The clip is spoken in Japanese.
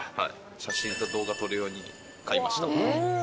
写真と動画撮るように買いました。